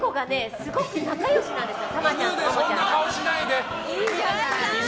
すごい仲良しなんですよ。